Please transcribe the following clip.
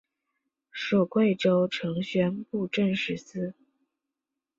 属贵州承宣布政使司。